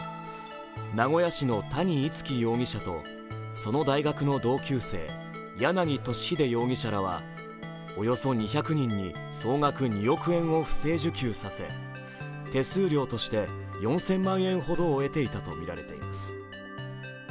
名古屋市の谷逸輝容疑者とその大学の同級生、柳俊秀容疑者らはおよそ２００人に総額２億円を不正受給させ手数料として４０００万円ほどを得ていたといいます。